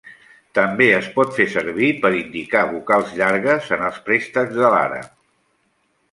També es pot fer servir per indicar vocals llargues en els préstecs de l'àrab.